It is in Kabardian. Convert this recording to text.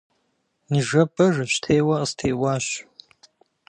Ныжэбэ жэщтеуэ къыстеуащ.